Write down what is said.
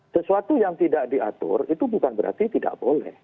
sesuatu yang tidak diatur itu bukan berarti tidak boleh